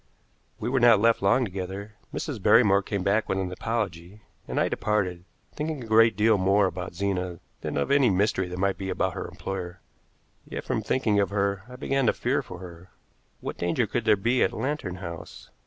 We were not left long together. Mrs. Barrymore came back with an apology, and I departed, thinking a great deal more about Zena than of any mystery there might be about her employer. Yet, from thinking of her, I began to fear for her. What danger could there be at Lantern House?